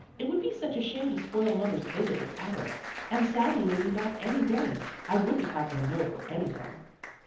It would be such a shame to spoil mother's visit with Alice. And Sally may be back any day. I wouldn't have them know for anything."